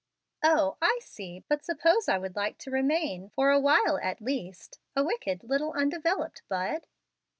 "O, I see; but suppose I would like to remain for a while at least a wicked, little undeveloped bud?"